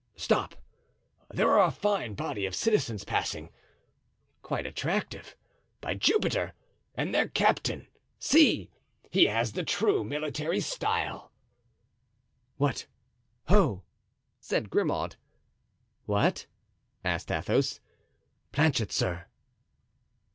Stop, there are a fine body of citizens passing; quite attractive, by Jupiter! and their captain—see! he has the true military style." "What, ho!" said Grimaud. "What?" asked Athos. "Planchet, sir."